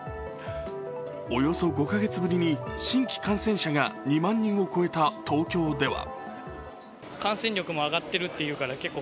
およそ５カ月ぶりに新規感染者が２万人を超えた東京では。